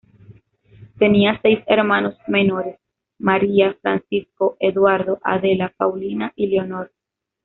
Tenía seis hermanos menores: María, Francisco, Eduardo, Adela, Paulina y Leonor.